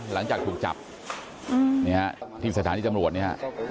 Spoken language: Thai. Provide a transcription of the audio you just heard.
หลังจากถูกจับทีมสถานที่จำรวจนี่